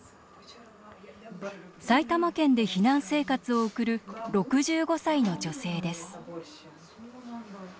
埼玉県で避難生活を送る６５歳の女性です。